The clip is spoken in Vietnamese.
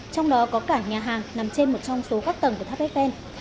trong đó có cả nhà hàng nằm trên một trong số các tầng của tháp eiffel